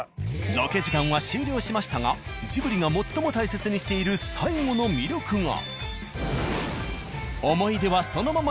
ロケ時間は終了しましたがジブリが最も大切にしている最後の魅力が。